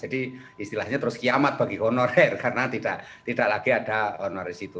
jadi istilahnya terus kiamat bagi honorer karena tidak lagi ada honorer di situ